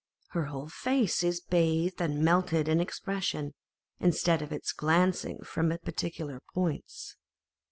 Her whole face is bathed and melted in expression, instead of its glancing from particular points.